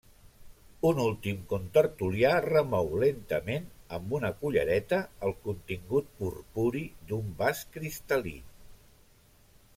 Un últim contertulià remou lentament, amb una cullereta, el contingut purpuri d'un vas cristal·lí.